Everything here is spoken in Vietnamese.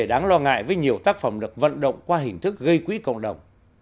vấn đề đáng lo ngại với nhiều tác phẩm được vận động qua hình thức gây quỹ cộng đồng